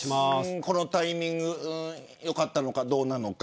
このタイミングで良かったのかどうか。